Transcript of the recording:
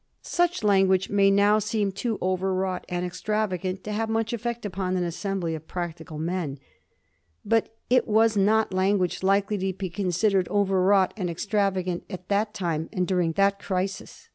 Such language may now seem too overwrought and extravagant to have much effect upon an assembly of practical men. But it was not language likely to be considered overwrought and extravagant at that time and during that crisis.